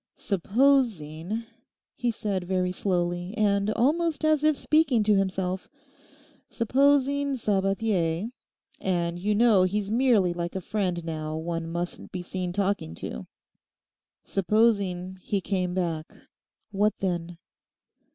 'Supposing,' he said very slowly, and almost as if speaking to himself, 'supposing Sabathier—and you know he's merely like a friend now one mustn't be seen talking to—supposing he came back; what then?